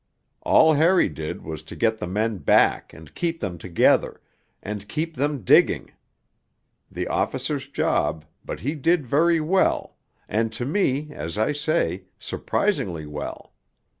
All Harry did was to get the men back and keep them together, and keep them digging: the officer's job but he did very well, and to me, as I say, surprisingly well.